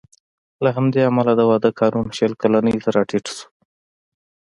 له همدې امله د واده قانون شل کلنۍ ته راټیټ شو